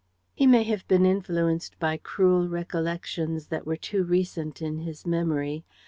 "He may have been influenced by cruel recollections that were too recent in his memory.